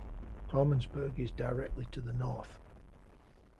Harmonsburg is directly to the north.